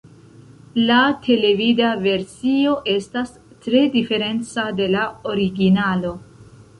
La televida versio estas tre diferenca de la originalo.